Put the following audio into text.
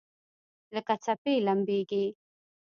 لکه څپې لمبیږي